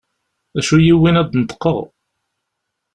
D acu i yi-yewwin ad d-neṭqeɣ?